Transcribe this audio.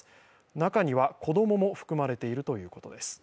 中には子供も含まれているということです。